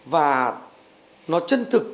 và nó chân thực